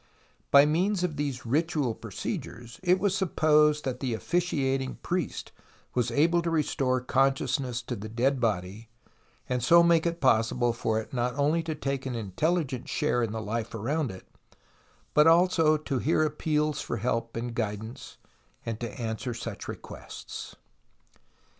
By means of these ritual procedures it was supposed that the officiating priest was able to restore consciousness to the dead body and so make it possible for it not only to take an intelligent share in the life around it, but also to hear appeals for help and guidance and to answer such requests.